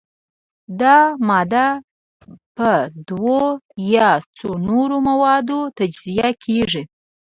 دا ماده په دوو یا څو نورو موادو تجزیه کیږي.